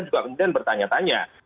juga kemudian bertanya tanya